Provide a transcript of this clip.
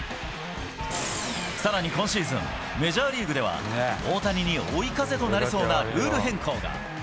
さらに今シーズン、メジャーリーグでは、大谷に追い風となりそうなルール変更が。